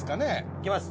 いきます。